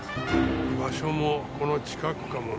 場所もこの近くかもなあ。